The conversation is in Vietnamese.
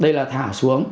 đây là thả xuống